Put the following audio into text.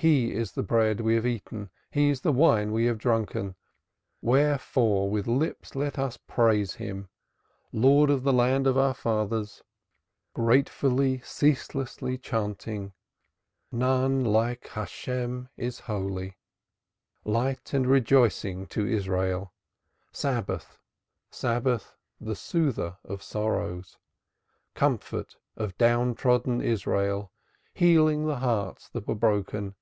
His is the bread we have eaten, His is the wine we have drunken, Wherefore with lips let us praise Him, Lord of the land of our fathers, Gratefully, ceaselessly chaunting "None like Jehovah is holy." Light and rejoicing to Israel, Sabbath, the soother of sorrows, Comfort of down trodden Israel, Healing the hearts that were broken!